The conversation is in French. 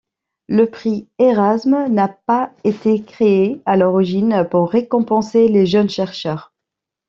Le prix Érasme n'a pas été créé à l'origine pour récompenser les jeunes chercheurs.